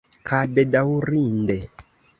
Kaj, bedaŭrinde...